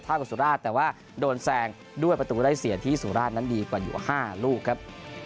กับสุราชแต่ว่าโดนแซงด้วยประตูได้เสียที่สุราชนั้นดีกว่าอยู่๕ลูกครับ